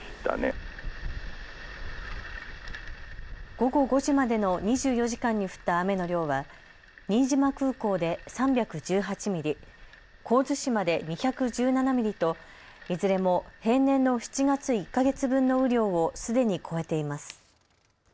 午後５時までの２４時間に降った雨の量は新島空港で３１８ミリ、神津島で２１７ミリといずれも平年の７月１か月分の雨量をすでに超えています。